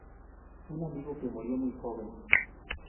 Un amigo que murió muy joven".